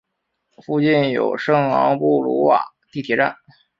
附近有圣昂布鲁瓦地铁站。